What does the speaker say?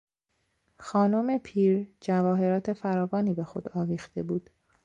خانم پیر جواهرات فراوانی به خود آویخته بود.